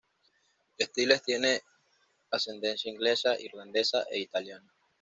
Stiles tiene ascendencia inglesa, irlandesa e italiana.